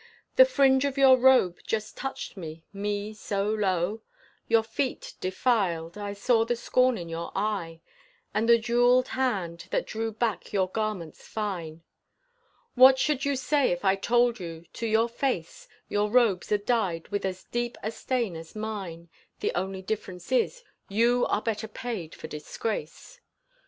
The fringe of your robe just touched me, me so low Your feet defiled, I saw the scorn in your eye, And the jeweled hand, that drew back your garments fine. What should you say if I told you to your face Your robes are dyed with as deep a stain as mine, The only difference is you are better paid for disgrace.